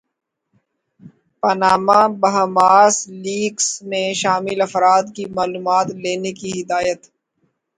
Panama Bahamas leaks میں شامل افراد کی معلومات لینے کی ہدایت